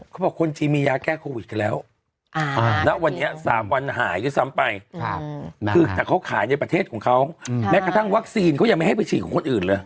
คนจีนมียาแก้โควิดกันแล้วณวันนี้๓วันหายด้วยซ้ำไปคือแต่เขาขายในประเทศของเขาแม้กระทั่งวัคซีนเขายังไม่ให้ไปฉีดของคนอื่นเลย